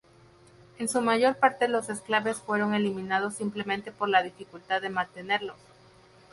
En su mayor parte los enclaves fueron eliminados simplemente por la dificultad de mantenerlos.